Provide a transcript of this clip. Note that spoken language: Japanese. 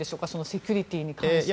セキュリティーに関して。